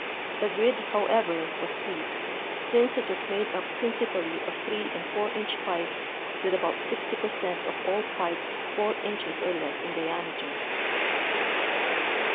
The grid, however, was weak since it was made up prin cipally of 3 and 4 inch pipes with about 60 per cent of all pipes 4 inches or less in diameter.